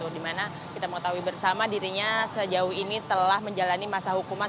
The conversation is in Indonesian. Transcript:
dimana kita mengetahui bersama dirinya sejauh ini telah menjalani masa hukuman